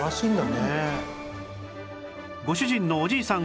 ご主人のおじいさん